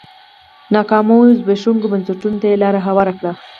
ناکامو زبېښونکو بنسټونو ته یې لار هواره کړه.